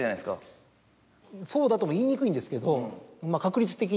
そうだとも言いにくいんですけどまぁ確率的には。